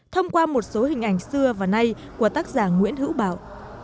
thông qua một số hình ảnh xưa và nay của tác giả nguyễn hữu bảo